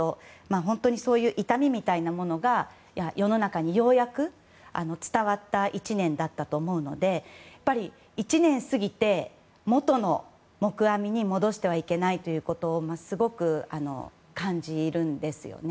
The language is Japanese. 本当にそういう痛みみたいなものが世の中にようやく伝わった１年だったと思うのでやっぱり、１年過ぎて元の木阿弥に戻してはいけないということをすごく感じるんですよね。